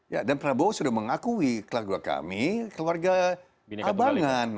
ya dan prabowo sudah mengakui keluarga kami keluarga abangan